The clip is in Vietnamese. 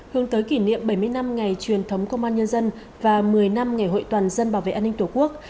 hướng tới kỷ niệm bảy mươi năm ngày truyền thống công an nhân dân và một mươi năm ngày hội toàn dân bảo vệ an ninh tổ quốc